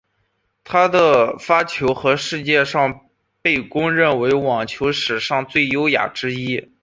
他的发球和上网被公认为网球史上最优雅之一。